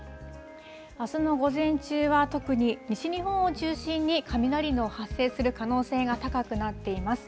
あすの午前中は、特に西日本を中心に雷の発生する可能性が高くなっています。